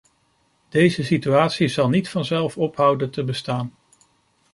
Deze situatie zal niet vanzelf ophouden te bestaan.